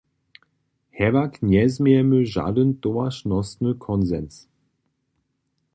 Hewak njezmějemy žadyn towaršnostny konsens.